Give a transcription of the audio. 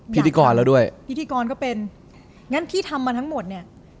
พิธีกรแล้วด้วยพิธีกรก็เป็นงั้นที่ทำมาทั้งหมดเนี่ย